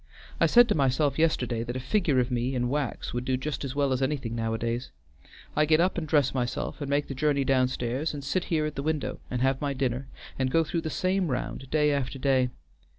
I said to myself yesterday that a figure of me in wax would do just as well as anything nowadays. I get up and dress myself, and make the journey downstairs, and sit here at the window and have my dinner and go through the same round day after day.